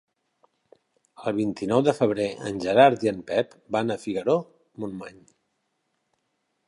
El vint-i-nou de febrer en Gerard i en Pep van a Figaró-Montmany.